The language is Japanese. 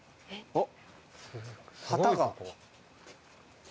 あっ！